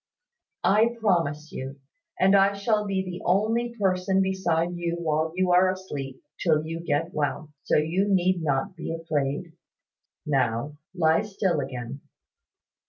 "I promise you. And I shall be the only person beside you while you are asleep, till you get well. So you need not be afraid. Now, lie still again."